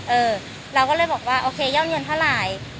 เออเราก็เลยบอกว่าโอเคย่อมยนต์เท่าไหร่